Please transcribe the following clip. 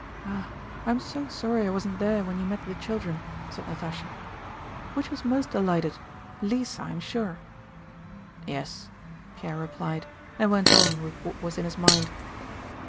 "Ah, I'm so sorry I wasn't there when you met the children," said Natásha. "Which was most delighted? Lisa, I'm sure." "Yes," Pierre replied, and went on with what was in his mind.